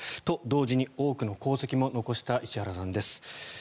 と、当時に多くの功績も残した石原さんです。